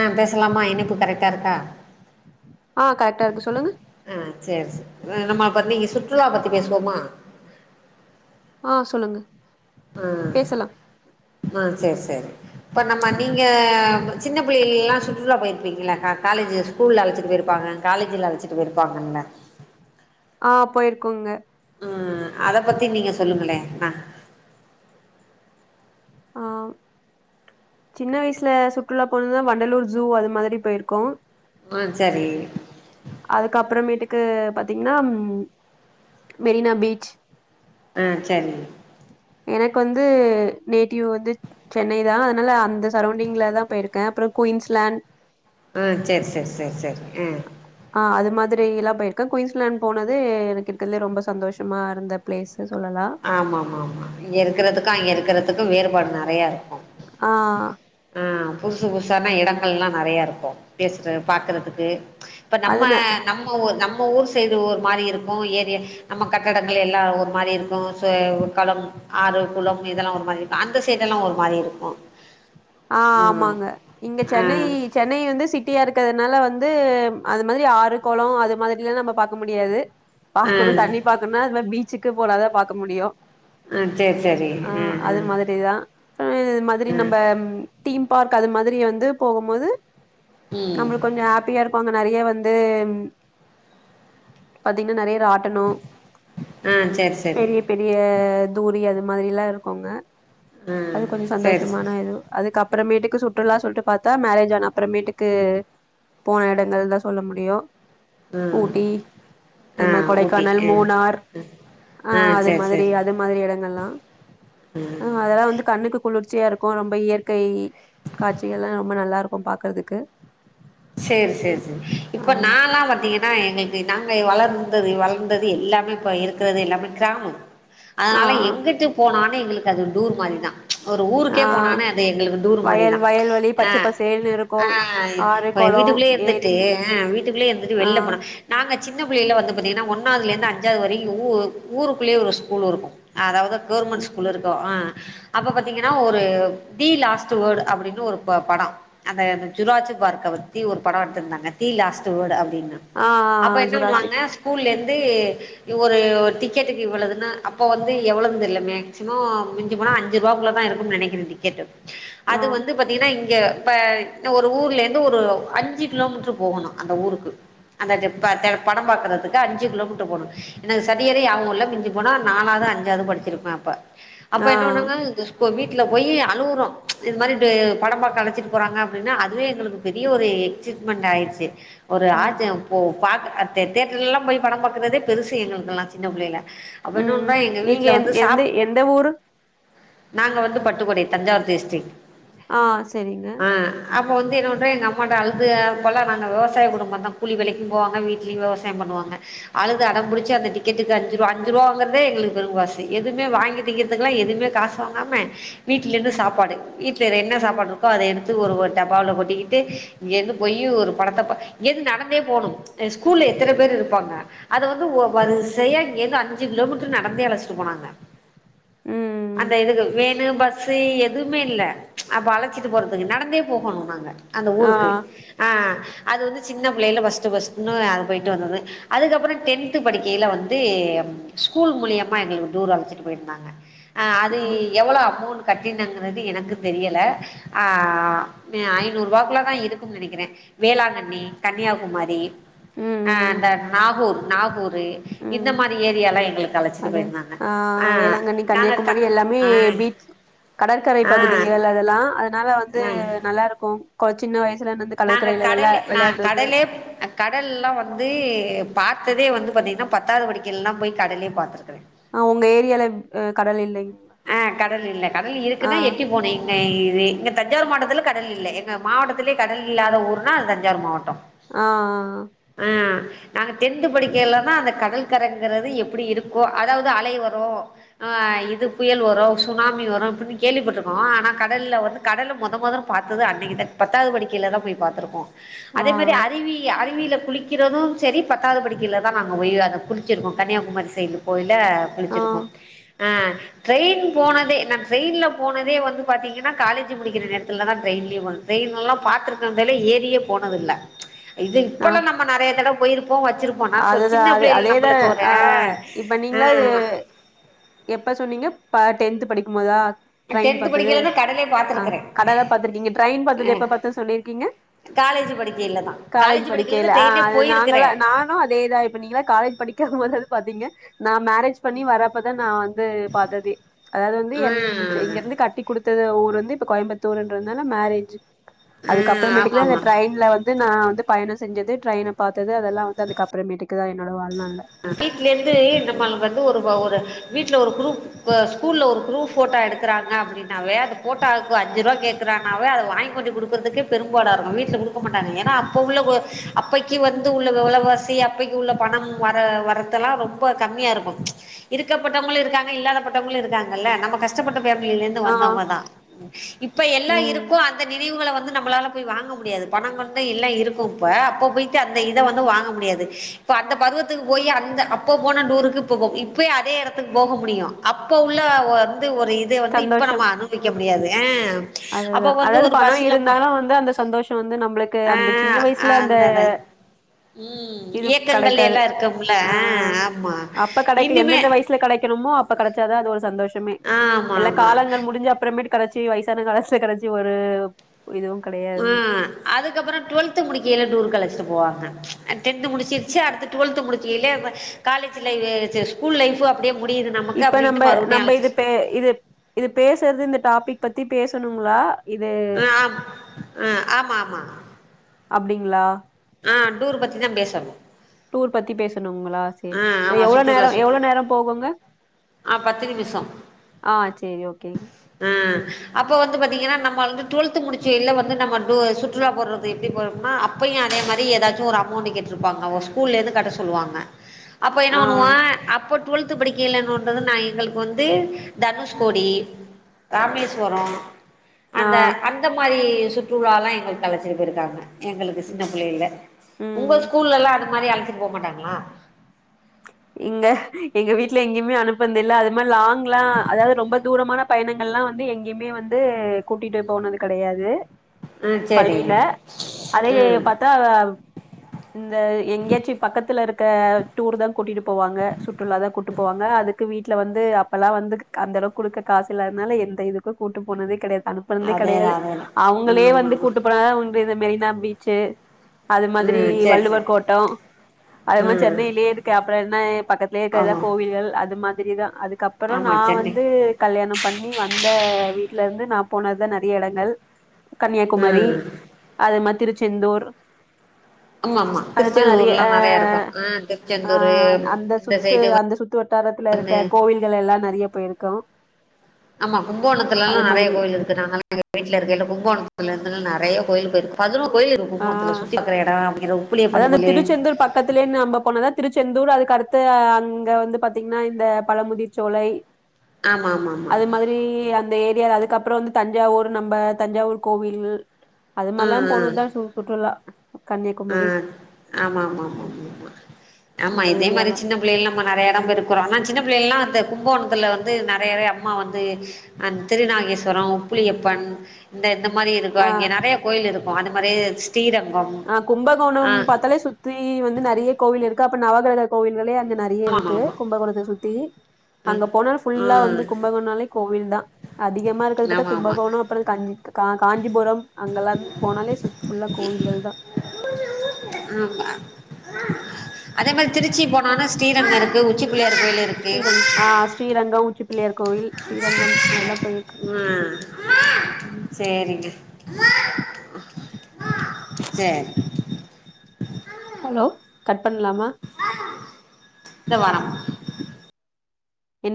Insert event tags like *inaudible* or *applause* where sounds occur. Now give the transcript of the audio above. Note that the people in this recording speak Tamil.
ஆ பேசலாமா இனைப்பு கரெக்டா இருக்கா ஆ கரெக்டா இருக்கு சொல்லுங்க ஆ செரி செரி நம்ம பத்தி சுற்றுலா பற்றி பேசுவோமா ஆ சொல்லுங்க ஆ பேசலாம். ஆ சேரி சேரி இப்ப நம்ம நீங்க சின்ன பிள்ளைல்லலா சுற்றுலா போயிருப்பீங்கள்ள காலேஜ் சு ஸ்கூல்ல அழச்சிட்டு போய் இருப்பாங்க காலேஜ்ல அழச்சிட்டு போய் இருப்பாங்கல ஆ போயிர்க்கோங்க ம் அத பத்தி நீங்க சொல்லுங்களே அ ஆ சின்ன வயசுல சுற்றுலா போனதுதா வண்டலூர் ஜூ அது மாரி போயிர்க்கோ அ சரி அதுக்கப்பறமேட்டுக்கு பாத்தீங்னா மெரினா பீச் அ சரி எனக்கு வந்து நேட்டிவ் வந்து சென்னை தா அதனால அந்த சரௌண்டிங்ல தா போயிர்க்கே அப்றொ குயின்ஸ்லாண்ட் ஆ சேர் சேர் சேர் சேர் ம் ஆ அது மாதிரிலா போயிர்க்கே குயின்ஸ்லேண்ட் போனது எனக்கு இருக்கிறது ல ரொம்ப சந்தோஷமா இருந்த பிளேஸுனு சொல்லலா ஆம ஆமா ஆமா இங்க இருக்கறதுக்கு அங்கே இருக்கறதுக்கு வேறுபாடு நெறையா இருக்கு ஆ ஆ புதுசு புதுசானா எடங்கள்லா நெறையாருக்கு பேசுறது பாக்குறதுக்கு இப்போ நம்ம அது நம்ம ஊர் நம்ம ஊர் சைடு ஒரு மாரி இருக்கு ஏரியா நம்ம கட்டடங்கள் எல்லா ஒரு மாரி இருக்கு சொ ஒரு களம் ஆறு குளம் இதெல்லா ஒரு மாரிருக்கு அந்த சைடல்லா ஒரு மாரி இருக்கு ஆ ம் ஆமாங்க இங்க ஆ சென்னை சென்னை வந்து சிட்டியா இருக்றதுனால வந்து அது மாரி ஆறு குளோ அது மாரில்லா நம்ம பாக்க முடியாது ஆ பாக்கணு தண்ணி பாக்கனுனா இந்தமாரி பீச்சுக்கு போனாதா பாக்க முடியு ஆ சேரி சேரி ஆ அது மாதிரிதா ஆ இது மாதிரி ஆ ஆ நம்ப டீம் பார்க் அது மாதிரி வந்து போகும்போது ம் நம்ளுக் கொஞ்சோ ஹாப்பியா இருக்கு அங்க நறையா வந்து பாத்தீங்னா நறையா ராட் டனோ ஆ சேரி சேரி பெரிய பெரிய தூரி அது மாதிரிலா இருக்குங்க ஆ அது கொஞ்சோ சேரி சந்தோஷமான இது அதுக்கு அப்பறமேட்டுக்கு சுற்றுலா சொல்ட்டு பாத்தா மேரேஜ் ஆன அப்பறமேட்டுக்கு போன எடங்கள்தா சொல்ல முடியு ம் ஊட்டி ஆ அது மா ஊட்டி கொடைக்கானல் ஆ மூனார் ஆ அது சேரி மாதிரி சேரி அது மாதிரி எடங்கள்லா ம் அதெல்லா வந்து கண்ணுக்கு குளிர்ச்சியா இருக்கு ரொம்ப இயற்கை காட்சிகல்லா ரொம்ப நல்லாருக்கு பாக்கறதுக்கு சேரி சேரி சேரி ஆ இப்ப நாலா பாத்தீங்கன்னா எங்களுக்கு நாங்க வளர்ந்தது வளந்தது எல்லாமே இப்ப இருக் இருக்றது எல்லாமே க்ராமோ ஆ அதனால எங்குட்டு போனாலு எங்களுக்கு அது டூர் மாரிதா ஒரு ஆ ஊருக்கே போனான அது எங்களுக்கு டூர் வயல் மாரிதா வயல்வெளி அ பச்ச பசேல்னு இருக்கு ஆ ஆறு இப்போ எங் கொளோ வீட்டுக்குள்ளே ஏரி இருந்துட்டு ஆ வீட்டுக்குள்ளே இருந்துட்டு ஆ வெளில போனா நாங்க சின்ன புள்ளைல வந்து பாத்தீங்கன்னா ஒன்னாதுல இருந்து அஞ்சாவது வரையு ஊருக்குள்ளயே ஒரு ஸ்கூலூ இருக்கு அதாவ்து ம் கவுர்மெண்ட் ஸ்கூலூ இருக்கு அ அப்போ பாத்தீங்கன்னா ஒரு தி லாஸ்டு வேர்டு அப்டின்னு ஒரு ப படொ அந்த ஜூராஜு பார்க்க பத் தீ ஒரு படொ எடுத்திருந்தாங்க தீ லாஸ்ட் வேர்டு அப்டின்னு ஆ அப்ப என்ன பண்ணுவாங்க ஜுராசிக் ஸ்கூல்லேந்து ஒரு ஒரு டிக்கெட்டுக்கு இவ்ளோதுன்னு அப்ப வந்து எவ்ளோன் தெர்ல மேக்சிமோ மிஞ்சி போனா அஞ்சு ரூவாக்குள்ளதா இருக்குன் நனைக்கிற டிக்கெட்டு ஆ அது வந்து பாத்தீங்கனா இங்க இப்ப ஒரு ஊர்ல இருந்து ஒரு அஞ்சு கிலோமீட்ரு போகணு அந்த ஊருக்கு அந்த டெப்பர் படொ பாக்கறதுக்கு அஞ்சு கிலோமீட்ரு போணு எனக்கு சரியாவே ஞாபகோ இல்ல மிஞ்சு போனா நாலாவ்து அஞ்சாவ்து படிச்சிருப்ப அப்ப அப்ப ஆ என்ன பண்ணாங்க இந்த ஸ்கூ போ வீட்ல போய் அலுவுறோ இது மாரி படோபாக்க அழச்சிட்டு போறாங்க அப்டின்னு அதுவே எங்குளுக்கு பெரிய ஒரு எக்சிட்மெண்ட் ஆய்ருச்சு ஒரு ம் ஆஜம் ஓ பா தேட்டர்லலா போய் படோ பாக்குறதே பெருசு எங்களுக்குலா சின்ன புள்ளைல அப்ப ம் என்னொன்றா எங்க நீங்க வீட்ல எந் வந்து எந்த சாப் எந்த ஊரு நாங்க வந்து பட்டுக்கோடை தஞ்சாவூர் டிஸ்டிக் ஆ சேரிங்க ஆ அப்போ வந்து என்ன பண்ற எங்க அம் அம்மாட்ட அழுது அப்பலா நாங்க வெவசாய குடும்பந்தா கூலி வேலக்கு போவாங்க வீடலியு வெவசாய பண்ணுவாங்க அழுது அடம்புடிச்சி அந்த டிக்கெட்டுக்கு அஞ்சு ரூவா அஞ்சு ரூவா வாங்குறதே எங்குளுக்கு பெறுங் காசு எதுமே வாங்கிதிங்குறதுக்குலா எதுமே காஸ் தூங்காம வீட்ல இருந்து சாப்பாடு வீட்ல என்ன ம் சாப்பாடு இருக்கோ அத எடுத்து ஒரு டப்பாவுல கொட்டிக்கிட்டு இங்கேருந்து போயி ஒரு படத்த ப இங்கேந்து நடந்தே போணு அ ஸ்கூல்ல எத்தன பேர் இருப்பாங்க அத வந்து ஓ வரிசயா இங்கேந்து அஞ்சு கிலோமீட்ரு நடந்தே அழச்சிட்டு போனாங்க ம் அந்த இதுக்கு வேணு பஸ் ஸே எதுவுமே இல்ல அப்ப அழச்சிட்டு போறதுக்கு நடந்தே போகணு நாங்க அந்த ஆ ஊருக்கு ஆ அது வந்து சின்ன பிள்ளையில ஃபர்ஸ்ட் ஃபஸ்ட்ன்னு நாங்க போயிட்டு வந்தது அதுக்கப்றோ டென்த் படிக்கையில வந்து ஸ்கூல் மூலியமா எங்களுக்கு டூர் அழச்சிட்டு போயிருந்தாங் அ‌ ஆ அது எவ்ளோ அமௌண்ட் கட்டினங்கறது எனக்கு தெரியல ஆ மே ஐநூருவாக்குள்ள தா இருக் கும் நெனைக்கிறே வேளாங்கண்ணி கன்னியாகுமாரி அ ம் ம் அந்த நாகூர் நாகூரு இந்த ம் மாரி ஏரியால்லா எங்களுக்கு அழச்சிட்டு அது போயிருந்தாங்க ஆ வேளாங்கண்ணி நாங்க த கன்னியாகுமரி எல்லாமே ஆ பீச் கடற்கரை ஆ பகுதிகள் ஆ அதெல்லா அதனால வந்து நல்லாருக்கு கொஞ் சின்ன வய நாங்க கடலே நா கடலே அ கடல்லா வந்து பாத்ததே வந்து பாத்தீங்ன்னா பத்தாவ்து படிக்கில்லா போய் கடலே பாத்துருக்குறே ஆ உங்க ஏரியால அ கடல் இல்லைங்ளா ஆ கடல் இல்ல கடல் இருக்குன்னா எட்டி போனே *unintelligible* இது இங்க தஞ்சாவூர் மாவட்டத்துல கடல் இல்ல எங்க மாவட்டத்திலே கடல் இல்லாத ஊருனா அ தஞ்சாவூர் மாவட்டோ ஆ அ நாங்க டென்த் படிக்கல தா அந்த கடல் கரைங்குறது எப்பிடி இருக்கோ அதாவ்து அலை வரு ஆ இது புயல் வரு சுனாமி வரு இப்பிடின்னு கேள்விப்பட்ருக்கோ ஆனா கடல்ல வந்து கடல மொத மொதல் பாத்தது அன்னைக்கு தா பத்தாவ்து படிக்கையில தா போய் பாத்துருக்கோ ஆ அதே மாரி அறிவி அறிவில குளிக் கிறது சரி பத்தாவ்து படிக்கிலையில தா நாங்க போய் அத குளிச்சிருக்கோ கன்னியாகுமாரி சைலு கோயில்ல ஆ குளிச்சிருக்கோ ஆ ட்ரெயின் போனதே நா ட்ரெயின்ல போனதே வந்து பாத்திங்கனா காலேஜு முடிக்கிற நேரத்தில தா ட்ரயின்லே போ ட்ரெய்னெல்லா பாத்துருக்கறதேலே ஏரியே போனதில்ல இது ஆ இப்பல்ல நம்ம நெறையா தடவ போயிருப்போ வெச்சிருப் போனா சொ அதுதா சின்ன அது பிள்ளைல அதேதா நம்பளுக்கு ஒரு ஆ இப்ப ஆ நீங்களா இது எப்ப சொன்னீங்க பா டென்த் படிக்கு போதா ட்ரெயின் டென்த் பாத்தது படிக்கையிலதா கடலே ஆ பாத்துருக்குறே கடல பாத்திருக்கீங்க ட்ரெயின் பாத்தது ஆ எப்ப பாத்தே சொல்லிருக்கீங்க காலேஜ் படிக்கையில தா காலேஜ் தா படிக்கையில அ ட்ரெயின்லே அது போயிருக்குறே நாங்களா நா அதேதா இப்ப நீங்க காலேஜ் படிக்கம் போது பாத்தீங்க நா மேரேஜ் பண்ணி வரப் நா வந்து பாத்ததே அதாவ்து வந்து ஆ என் சே இங்க வந்து கட்டி குடுத்தது ஊர் வந்து இப்ப கோயம்பத்தூர்ன்றதுனால மேரேஜ் அதுக்கப்புற ஆ ஆமா மேட்டுக்கு தா இந்த ஆமா ட்ரெயின்ல வந் து நா வந்து பயணோ செஞ்சததே ட்ரெயின பார்த்தது அதெல்லா வந்து அதுக்கப்புறமேட்டுக்கு தா என்னோட வாழ்நாள்ல வீட்ல இருந்து ம் நம்மளுக்கு வந்து ஒரு ஒரு வீட்ல ஒரு குரூப் இப்ப ஸ்கூல்ல ஒரு குரூப் போட்டோ எடுக்குறாங்க அப்டின்னாவே அது போட்டாக்கு அஞ்சுருவா கேக் கறனாவே அத வாங்கி கொண்டு குடுக்கறதுக்கே பெரும்பாடா இருக்கு வீட்ல குடுக்க மாட்டாங்க ஏனா அப்ப உள்ள அப்பைக்கி வந்து உள்ள வெலவாசி அப்பைக்கி உள்ள பணம் வர வரத்தெல்லா ரொம்ப கம்மியா இருக்கு இருக்கப்பட்டவங்களு இருக்காங்க இல்லாதப்பட்டவங்களு இருக்காங்கல்ல நம்ம கஷ்டப்பட்ட ஃபேமிலிலருந்து ஆ வந்தவங்கதா இப்ப எல்லா ம் இருக்கு அந்த நினைவுகள வந்து நம்மளால போய் வாங்க முடியாது பணோ வந்தா எல்லா இருக்கு இப்ப அப்ப போயிட்டு அந்த இத வந்து வாங்க முடியாது இப்ப அந்த பருவத் துக்கு போய் அந்த அப்ப போன டூருக்கு இப்போ போ இப்பயி அதே எடத்துக்கு போக முடியு அப்ப உள்ள ஒ வந்து ஒரு இ து வந்து இப்ப சந்தோஷம் நம்ம அனுபவிக்க முடியாது ஆ அப்ப அதுதா வந்து அதாவது ஒரு பணம் பஸ்ல இருந்தாலு வந்து அந்த சந்தோஷம் வந்து நம்பளுக்கு ஆ அந்த சின்ன வயசுல அந்த அந்தத ம் இது இயக்கங்கள் கெடைக்காது எல்லா இருக்கும்ல ஆ ஆமா அப்ப கெடைக்க இன்னிமே எந்தெந்த வயசுல கெடைக்கணுமோ அப்ப கெடைச்சாதா அது ஒரு சந்தோஷமே ஆ எல்லா காலங்கள் முடிஞ்சு அப்புறமேட் கடச்சு வயசான காலத்துல கடச்சு ஒரு இதுவும் கெடையாது ஆ அதுக்கப்புரோ டுவெல்த்து முடிக்கையிலே டூர் அழச்சிட்டு போவாங்க டென்த் முடிச்சிருச்சு அடுத்து டுவெல்த்து முடிக்கையிலே காலேஜ் லை *unintelligible* ஸ்கூல் லைஃப் அப்டியே முடியுது நமக்கு அப்டின்ட்டு மறுபடியு அழைச்சு ஏ இது இது பேசுறது இந்த டாபிக் பத்தி பேசுணுங்களா ஆ ஆம் ஆ ஆமா ஆமா அப்டிங்களா ஆ டூர் பத்தி தா பேசனு டூர் பத்தி பேசுணுங்களா செரி ஆமா எவ்வளோ சுற்றுலா நேரோ எவ்வளோ சுற்றுலா நேரோ போகுங்க ஆ பத்து நிமிஷம் ஆ சேரி ஓகேங் ஆ அப்ப வந்து பாத்தீங்கன்னா நம்ம வந்து டுவெல்த்து முடிச்சையில வந்து நம்ம டூர் சுற்றுலா போடுற எப்டி போறேம்னா அப்பையு அதே மாரி ஏதாச்சு ஒரு அமௌண்ட் கேட்டிருப்பாங்க அவுங் ஸ்கூல்ல இருந்து கட்ட சொல்லுவாங்க அப்ப என்ன ஆ பண்ணுவா அப்ப டுவெல்த் படிக்கலன்னுன்றது நா எங்களுக்கு வந்து தனுஷ்கோடி ராமேஸ்வரோ ஆ அந்த அந்த மாரி சுற்றுலாலா எங்களுக்கு அழச்சிட்டு போயிருக்காங்க எங்களுக்கு சின்ன ம் பிள்ளையில உங்க ம் ஸ்கூல்லல்லா அது மாரி அழச்சிட்டு போக மாட்டாங்களா இங்க எங்க வீட்ல எங்கேயுமே அனுப்புனதுல்ல அது மாரி லாங்லா அதாவது ரொம்ப தூரமான பயணங்கள்லா வந்து எங்கேயுமே வந்து கூட்டிட்டு போனது கெடையாது ம் செரி ம் ஆ இந்த எங்கேயாச்சி பக்கத்துல இருக்க டூர் தா கூட்டிட்டு போவாங்க சுற்றுலா தா கூட்டு போவாங்க அதுக்கு வீட்ல வந்து அப்பெல்லா வந்து அந்த அளவுக்கு குடுக்க காசு இல்லாததுனால எந்த இதுக்கு கூட்டு போனதே கெடையாது அனு ப்புனதே அதேதா கெடையாது அதேதா ம் அவுங்களே ஆமா வந்து ஆமா கூட்டு போனா தா உண்டு இந்த மெரினா பீச்சு அது மாரி ம் சேரி சேரி வள்ளுவர் கோட்டோ அது மாரி ம் சென்னை எதுக்கு அப்ரோ என்ன பக்கத்துலயே இருக்க தா ஆமா கோவில்கள் அது மாதிரிதா அதுக்கப்பரோ ஆமா நா சென்னை வந்து கல்யாணம் பண்ணி வந்த வீட்ல இருந்து நா போனதுதா நெறைய இடங்கள் கன்னியாகுமரி ம் அது மாரி திருச்செந்தூர் ஆமா ஆமா அது மாரி நெறைய திருச்செந்தூர்லா நெறையா ஆ இருக்கு ஆ ஆ திருச்செந்தூரு அந்த இந்த சுத்து சைடு அந்த சுத்து வட்டாரத்துல வந்து இருக்க கோவில்கள் எல்லா நெறையா போயிருக்கோ ஆமா கும்போணத்துல எல்லா அது நெறைய மாதிரி கோயில் இருக்கு நாங்கல்லா எங்க வீட்டுல இருக்க இல்ல கும்போணத்துல இருந்துலா நெறைய கோயில் போயிருக்கோ பதுனோர் கோயில் இருக்கு ஆ கும்பகோணத்துல சுத்தி பாக்கிற எட *unintelligible* அதா அந்த திருச்செந்தூர் பக் கத்திலயே நம்ம போனது தா திருச்செந்தூர் அதுக்கடுத்து அங்க வந்து பாத்தீங்கன்னா இந்த பழமுதிர் சோலை ஆமா ஆமா ஆமா ரீ அந்த ஏரியால அதுக்கப்றோ வந்து தஞ்சாவூர் நம்ப தஞ்சாவூர் கோவில் அத மார்லா ம் ம் போனதுதா சு சுற்றுலா ஆ கன்னியாகுமரி ம் ஆமாமாமாமாமா ஆமா அந்த இதே மாதிரி ஏரியாலா சின்ன பிள்ளை எல்லா *unintelligible* ஆனா சின்ன பிள்ளைகல்லா இந்த கும்பகோணத்துல வந்து நறையவே அம்மா வந்து ஆ திருநாகேஸ்வரோ உப்புளியப்பன் இந்த இந்த மாரி இருக்கோ ஆ அங்கே நெறைய கோயில் இருக்கோ அந்த மாரியே ஸ்ரீரங்கம் அ கும்பகோணம் ஆ பாத்தாலே சுற்றி வந்து நறைய கோவில் இருக்கு அப்ப நவகிரக கோவில்களே அங்க ந நறைய ஆமா இருக்கு ஆமா கும்பகோணத்த சுத்தி ஆ அங்க போனால் ஃபுல்லா வந்து ஆ கும்பகோணாலே கோவில்தா அதிகமா இருக்கத பாத்தா ஆமா ஆமா கும்பகோண அப்பறம் கஞ் கா காஞ்சிபுரம் அங்கல்லா போனாலே சுத் ஃபுல்லா கோவில்கள் தா ஆம்ம அதே மாரி ம் திருச்சி போனன்ன ஸ்ரீரங்க இருக்கு உச்சிபுள்ளையார் கோயிலு இரு ஸ்ரீரங் ஆ ஸ்ரீரங்கொ உச்சிப்பிள்ளையார் கோவில் ஸ்ரீரங்கம் நல்லா பொயிட் ம்அ ம் சேரிங்க சேர் ஹலோ கட் பண்லாமா தோ வரம்மா என்ன